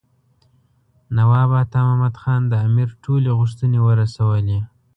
نواب عطا محمد خان د امیر ټولې غوښتنې ورسولې.